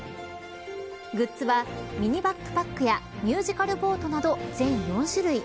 グッズはミニバックパックやミュージカルボートなど全４種類。